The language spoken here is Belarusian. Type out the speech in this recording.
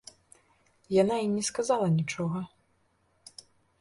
Яна і не сказала нічога.